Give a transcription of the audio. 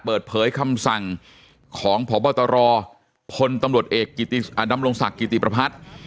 เปิดเผยคำสั่งของพบตรพลตำรวจเอกดำรงศักดิ์กิติประพัฒน์